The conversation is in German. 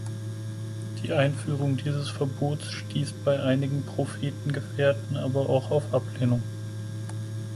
Die Einführung dieses Verbots stieß bei einigen Prophetengefährten aber auch auf Ablehnung.